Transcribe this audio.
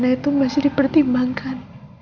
itu masih dipertimbangkan